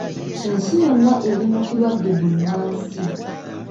Ensi yonna eri mu kirwadde bbunansi.